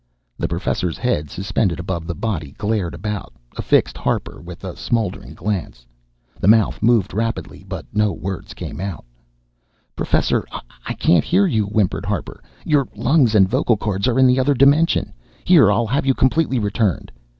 The Professor's head, suspended above the body, glared about, affixed Harper with a smouldering glance. The mouth moved rapidly, but no words came. "Professor, I can't hear you," whimpered Harper. "Your lungs and vocal cords are in the other dimension. Here, I'll have you completely returned."